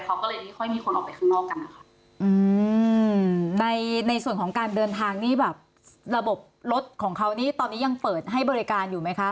เขาก็เลยไม่ค่อยมีคนออกไปข้างนอกกันนะคะอืมในในส่วนของการเดินทางนี่แบบระบบรถของเขานี่ตอนนี้ยังเปิดให้บริการอยู่ไหมคะ